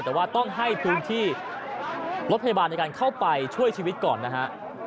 แต่ว่าต้องให้พื้นที่รถพยาบาลในการเข้าไปช่วยชีวิตก่อนนะฮะ